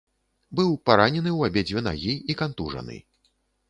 Быў паранены ў абедзве нагі і кантужаны.